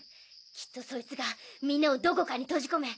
きっとそいつがみんなをどこかに閉じ込め